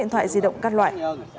tám điện thoại di động các loại